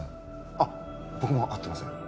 あっ僕も会ってません。